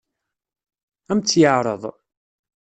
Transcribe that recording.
Ad m-tt-yeɛṛeḍ?